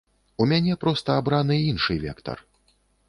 У мяне проста абраны іншы вектар.